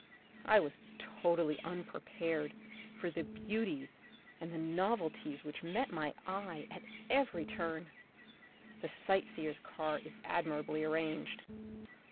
I was totally unprepared for the beauties and the novelties which met lo The Republic of the Future, my eye at every turn. The sight seers' car is admirably arranged.